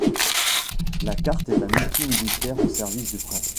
La carte est un outil militaire au service du prince.